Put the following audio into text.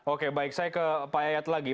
oke baik saya ke pak yayat lagi